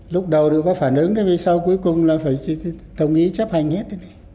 lúc đầu đều có phản ứng sau cuối cùng là phải thông ý chấp hành hết